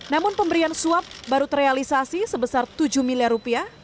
namun pemberian suap baru terrealisasi sebesar tujuh miliar rupiah